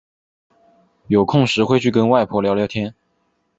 有空时会去跟外婆聊聊天